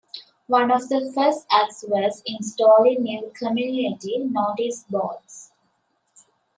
One of the first acts was installing new community notice boards.